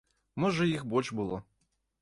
Можа іх больш было.